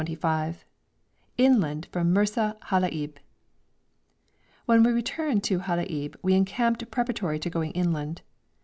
CHAPTER XXV INLAND FROM MERSA HALAIB When we returned to Halaib we encamped preparatory to going inland.